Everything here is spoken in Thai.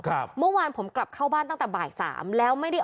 เมื่อวานผมกลับเข้าบ้านตั้งแต่บ่ายสามแล้วไม่ได้